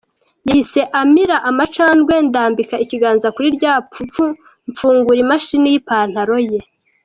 Yahise amira amacandwe ndambika ikiganza kuri rya pfupfu, mfungura imashini y’ipantaro ye.